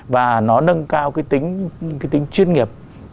và nó nâng cao cái tính chuyên nghiệp